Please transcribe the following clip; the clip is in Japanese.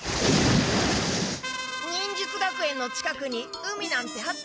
忍術学園の近くに海なんてあったかな？